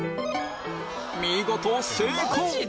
見事成功！